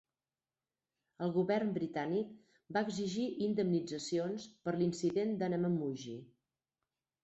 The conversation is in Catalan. El govern britànic va exigir indemnitzacions per l'incident de Namamugi.